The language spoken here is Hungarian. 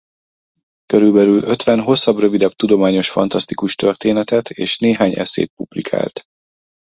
Körülbelül ötven hosszabb-rövidebb tudományos-fantasztikus történetet és néhány esszét publikált.